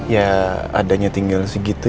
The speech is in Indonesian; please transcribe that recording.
ya adanya tinggal segitu